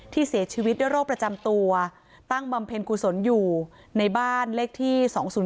เสียชีวิตด้วยโรคประจำตัวตั้งบำเพ็ญกุศลอยู่ในบ้านเลขที่๒๐๔